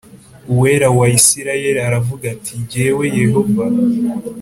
Uwera wa Isirayeli d aravuga ati jyewe Yehova